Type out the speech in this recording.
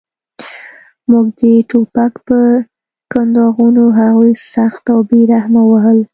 موږ د ټوپک په کنداغونو هغوی سخت او بې رحمه ووهل